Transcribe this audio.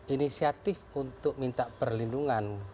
inisiatif untuk minta perlindungan